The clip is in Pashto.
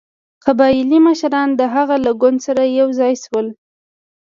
قبایلي مشران د هغه له ګوند سره یو ځای شول.